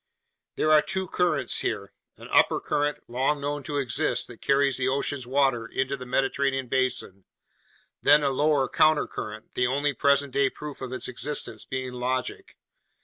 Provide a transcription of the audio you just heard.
There are two currents here: an upper current, long known to exist, that carries the ocean's waters into the Mediterranean basin; then a lower countercurrent, the only present day proof of its existence being logic.